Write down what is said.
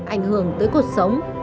ảnh hưởng tới cuộc sống